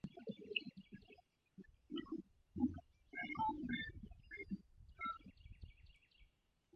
Povu katika chemba chemba ya kupumua